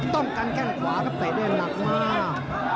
ต้องกั้นแก้งขวาก็ตะเจนด้วยนักมาก